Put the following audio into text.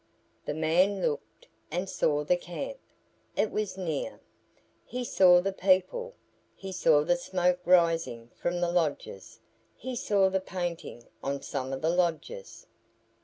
The man looked and saw the camp. It was near. He saw the people; he saw the smoke rising from the lodges; he saw the painting on some of the lodges.